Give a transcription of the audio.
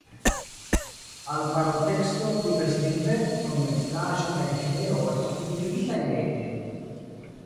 Alparolteksto diverslingve, sonregistraĵo kaj video estos publikigitaj rete.